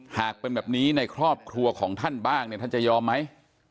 หากเป็นแบบนี้ในครอบครัวของท่านบ้างเนี่ยท่านจะยอมไหม